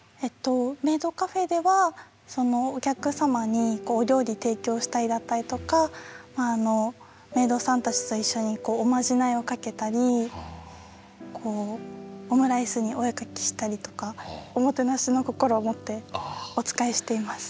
メイドカフェではお客様にお料理提供したりだったりとかメイドさんたちと一緒におまじないをかけたりオムライスにお絵描きしたりとかおもてなしの心を持ってお仕えしています。